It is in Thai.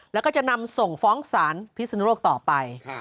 แล้วก็จะนำส่งฟ้องศาลพิศนุโลกต่อไป